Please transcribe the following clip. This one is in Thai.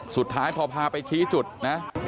สุดท้ายพอพาไปชี้จุดนะ